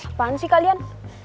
apaan sih kalian